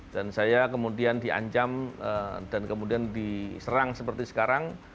dan saya kemudian dianjam dan kemudian diserang seperti sekarang